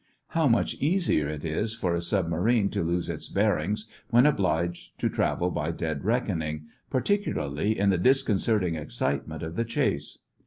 How much easier it is for a submarine to lose its bearings when obliged to travel by dead reckoning, particularly in the disconcerting excitement of the chase!